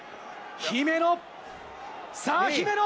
姫野。